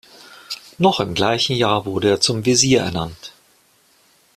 Noch im gleichen Jahr wurde er zum Wesir ernannt.